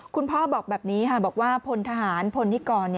พ่อบอกแบบนี้ค่ะบอกว่าพลทหารพลนิกร